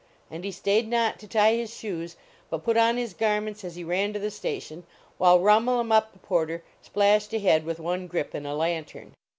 And he stayed not to tie his shoes, but put on his garments as he ran to the station, while Rhumul em Uhp the Porter splashed ahead with one grip and a lantern.